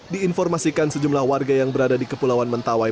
diinformasikan sejumlah warga yang berada di kepulauan mentawai